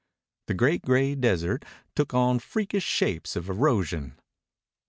The great gray desert took on freakish shapes of erosion.